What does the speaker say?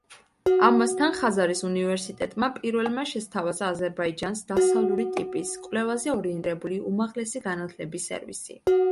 ამასთან, ხაზარის უნივერსიტეტმა პირველმა შესთავაზა აზერბაიჯანს დასავლური ტიპის, კვლევაზე ორიენტირებული უმაღლესი განათლების სერვისი.